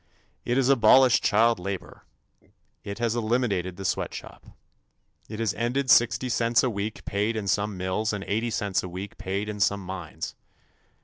It has abolished child labor. It has eliminated the sweat shop. It has ended sixty cents a week paid in some mills and eighty cents a week paid in some mines.